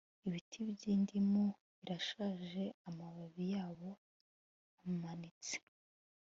Ibiti byindimu birashaje amababi yabo amanitse